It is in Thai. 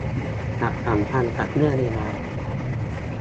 จะสัมพันธ์กับเรื่องเวลา